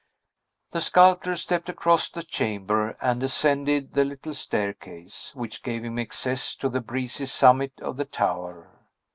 The sculptor stepped across the chamber and ascended the little staircase, which gave him access to the breezy summit of the tower.